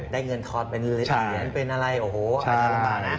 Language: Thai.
ได้เงินทอนเป็นเหรียญเป็นอะไรโอ้โหลำบากนะ